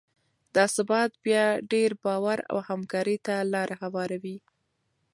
دا ثبات بیا ډیر باور او همکارۍ ته لاره هواروي.